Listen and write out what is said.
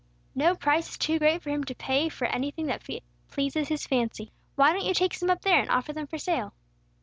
No price is too great for him to pay for anything that pleases his fancy. Why don't you take some up there, and offer them for sale?"